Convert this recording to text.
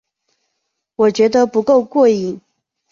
我觉得不够过瘾